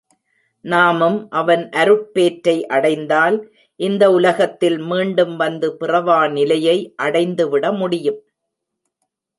நாமும் அவன் அருட்பேற்றை அடைந்தால், இந்த உலகத்தில் மீட்டும் வந்து பிறவா நிலையை அடைந்து விட முடியும்.